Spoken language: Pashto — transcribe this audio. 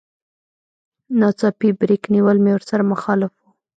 ناڅاپي بريک نيول مې ورسره مخالف و.